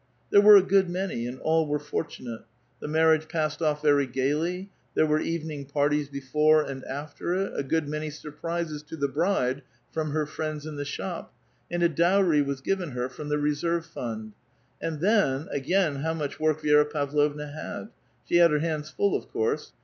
There were a good many, and all were fortunate. The mar riage passed off very gayly ; there were evening parties l>e fore and after it, a good many surprises U) the bride from her friends in the shop, and a dowry was given her from the reserve fund ; and, then, again how much work Vi^i'a Pav lovna had ; she had her hands full, of course.